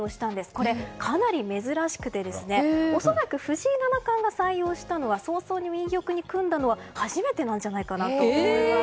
これ、かなり珍しくて恐らく藤井七冠が採用したのは早々に右玉に組んだのは初めてじゃないかなと思います。